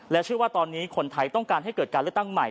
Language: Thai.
เชื่อว่าตอนนี้คนไทยต้องการให้เกิดการเลือกตั้งใหม่